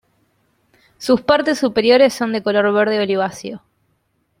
Sus partes superiores son de color verde oliváceo.